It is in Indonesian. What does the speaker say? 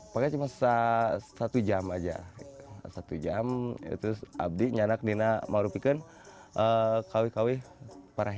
pakai cuma satu jam aja satu jam itu abdi nyana kena merupakan kau kau parah